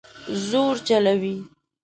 زور چلوي